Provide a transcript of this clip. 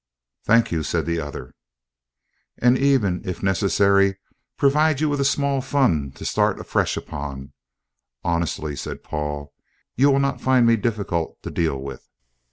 "Thank you!" said the other. "And even, if necessary, provide you with a small fund to start afresh upon honestly," said Paul; "you will not find me difficult to deal with."